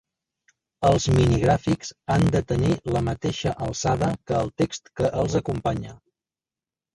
Els minigràfics han de tenir la mateixa alçada que el text que els acompanya.